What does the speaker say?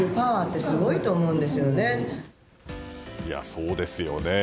そうですよね。